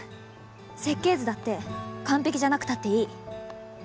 設計図だって完璧じゃなくたっていい。